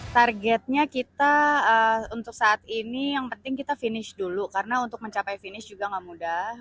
targetnya kita untuk saat ini yang penting kita finish dulu karena untuk mencapai finish juga gak mudah